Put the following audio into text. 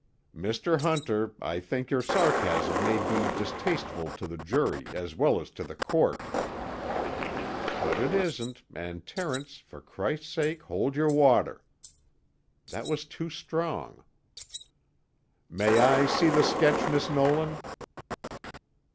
"Mr. Hunter, I think your sarcasm may be distasteful to the jury as well as to the Court." But it isn't, and Terence, for Christ's sake hold your water! That was too strong. "May I see the sketch, Miss Nolan?"